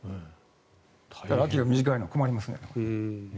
だから秋が短いのは困りますね。